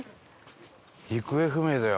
行方不明だよ